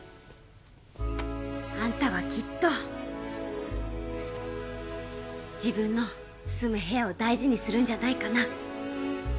アンタはきっと自分の住む部屋を大事にするんじゃないかな？